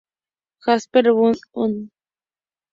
Jasper B. Hunt.